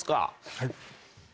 はい。